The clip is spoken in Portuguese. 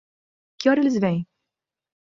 Que horas eles vêm?